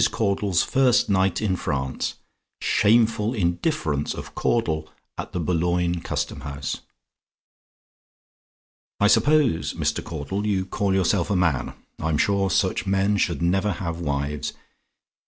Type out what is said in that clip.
CAUDLE'S FIRST NIGHT IN FRANCE "SHAMEFUL INDIFFERENCE" OF CAUDLE AT THE BOULOGNE CUSTOM HOUSE "I suppose, Mr. Caudle, you call yourself a man? I'm sure such men should never have wives.